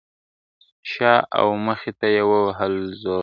شا او مخي ته یې ووهل زورونه!.